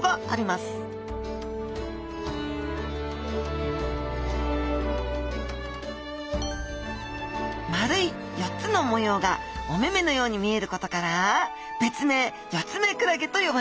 まるい４つの模様がおめめのように見えることから別名よ